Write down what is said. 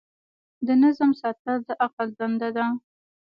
د نظم ساتل د عقل دنده ده.